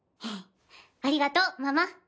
ありがとうママ。